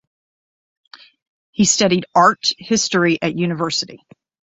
He studied art history at university.